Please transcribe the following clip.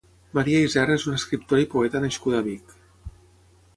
Maria Isern és una escriptora i poeta nascuda a Vic.